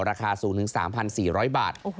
ราคาสูงถึง๓๔๐๐บาท